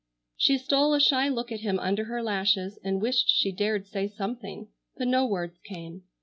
She stole a shy look at him under her lashes, and wished she dared say something, but no words came.